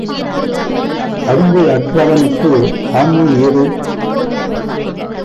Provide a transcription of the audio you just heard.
அறிவு அற்றவனுக்கு ஆண்மை ஏது?